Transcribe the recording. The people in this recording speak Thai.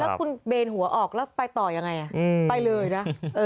แล้วคุณเบนหัวออกแล้วไปต่อยังไงไปเลยนะ